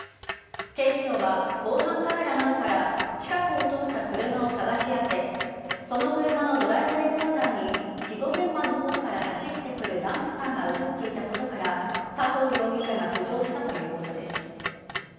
警視庁は防犯カメラなどから近くを通った車を探し当てその車のドライブレコーダーに事故現場の方から走ってくるダンプカーが映っていたことから佐藤容疑者が浮上したということです。